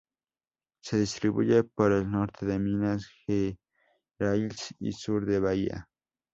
Se distribuye por el norte de Minas Gerais y sur de Bahía.